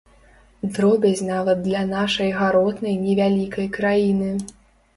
Дробязь нават для нашай гаротнай невялікай краіны.